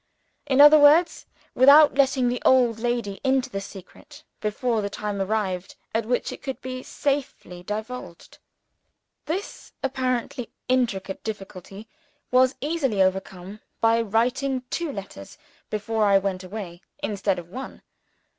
In other words, without letting the old lady into the secret, before the time arrived at which it could be safely divulged. This apparently intricate difficulty was easily overcome, by writing two letters (before I went away) instead of one.